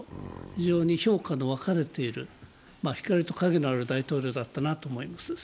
非常に評価の分かれている、光の影のある大統領だったと思います。